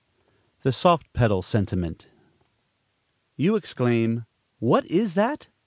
THE SOFT PEDAL SENTIMENT. You exclaim: "What is that?